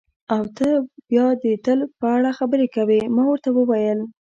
او ته بیا د تل په اړه خبرې کوې، ما ورته وویل.